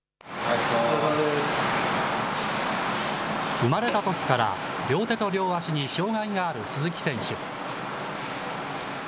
生まれたときから両手と両足に障害がある鈴木選手。